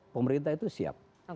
pemerintah itu siap